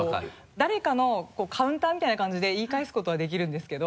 誰かのカウンターみたいな感じで言い返すことはできるんですけど。